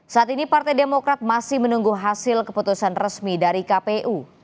saat ini partai demokrat masih menunggu hasil keputusan resmi dari kpu